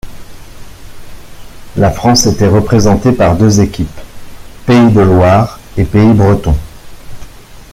La France était représenté par deux équipes: Pays de Loire et Pays breton.